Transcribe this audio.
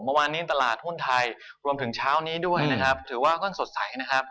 เมื่อวานนี้ตลาดหุ้นไทยรวมถึงเช้านี้ด้วยนะครับถือว่าค่อนข้างสดใสนะครับ